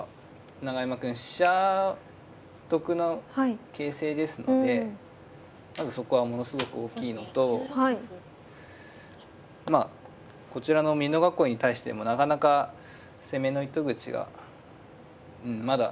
永山くん飛車得の形勢ですのでまずそこはものすごく大きいのとまあこちらの美濃囲いに対してもなかなか攻めの糸口がまだないので。